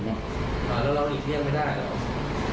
แล้วเราหลีกเลี่ยงไม่ได้หรอก